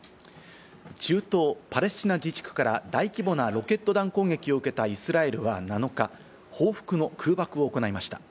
中東パレスチナ自治区から大規模なロケット弾攻撃を受けたイスラエルは７日、報復の空爆を行いました。